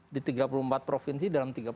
di tiga puluh empat provinsi dalam